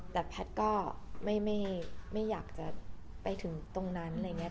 แต่แพทย์ก็ไม่อยากจะไปถึงตรงนั้นอะไรอย่างนี้